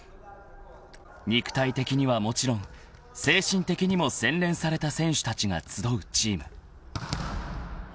［肉体的にはもちろん精神的にも洗練された選手たちが集うチーム］